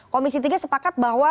komisi tiga sepakat bahwa